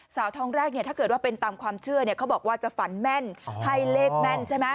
สาวทองแรกเนี่ยถ้าเกิดว่าเป็นตามความเชื่อเนี่ยเขาบอกว่าจะฝันแม่นให้เลขแม่นใช่ไหม